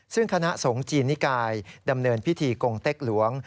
ซึ่งคณะสงฆ์จีนนิกายดำเนินพิธีกงเต็กหลวง